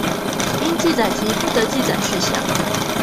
應記載及不得記載事項